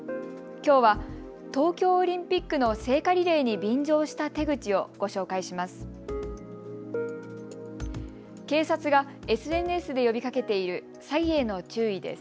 きょうは東京オリンピックの聖火リレーに便乗した手口をご紹介します。